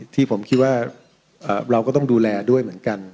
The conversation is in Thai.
ที่ผมคิดว่าเราก็ต้องดูแลด้วยเหมือนกัน